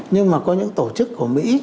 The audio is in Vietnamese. nhưng mà có những tổ chức của mỹ